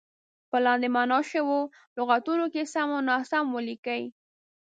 په لاندې معنا شوو لغتونو کې سم او ناسم ولیکئ.